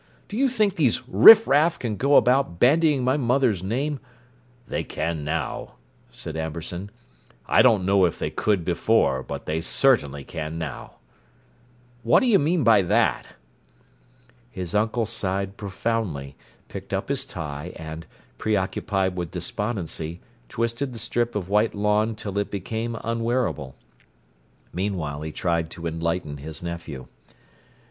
Do you think these riffraff can go about bandying my mother's name—" "They can now," said Amberson. "I don't know if they could before, but they certainly can now!" "What do you mean by that?" His uncle sighed profoundly, picked up his tie and, preoccupied with despondency, twisted the strip of white lawn till it became unwearable. Meanwhile, he tried to enlighten his nephew.